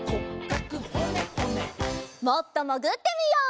もっともぐってみよう！